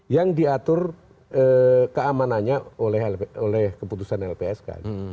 yang diatur keamanannya oleh keputusan lpsk